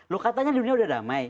loh katanya dunia udah damai